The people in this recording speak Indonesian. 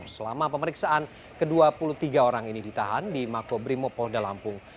selama pemeriksaan ke dua puluh tiga orang ini ditahan di mako brimob polda lampung